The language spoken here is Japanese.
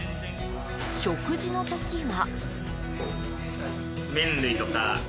食事の時は。